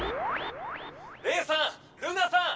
レイさんルナさん！